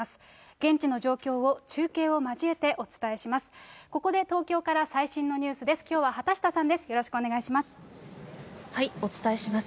現地の状況を中継を交えてお伝えします。